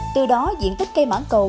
từ đó diện tích cây mảng cầu